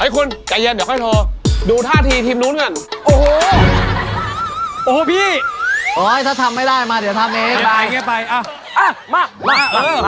ขอบคุณมากครับเชฟ